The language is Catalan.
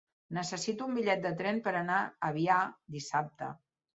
Necessito un bitllet de tren per anar a Avià dissabte.